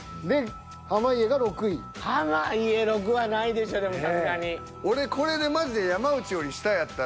で濱家６はないでしょでもさすがに。